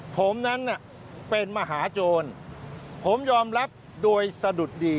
ผมนั้นเป็นมหาโจรผมยอมรับโดยสะดุดดี